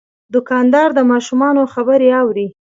دوکاندار د ماشومانو خبرې اوري.